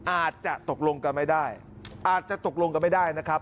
อาจจะตกลงกันไม่ได้